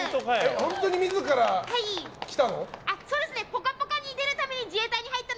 本当に自ら来たの？